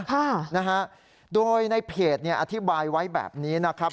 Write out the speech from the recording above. ค่ะนะฮะโดยในเพจเนี่ยอธิบายไว้แบบนี้นะครับ